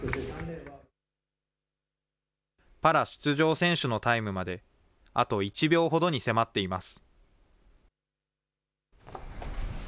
パラ出場選手のタイムまで、あと１秒ほどに迫っています。